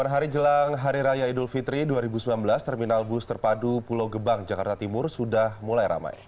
delapan hari jelang hari raya idul fitri dua ribu sembilan belas terminal bus terpadu pulau gebang jakarta timur sudah mulai ramai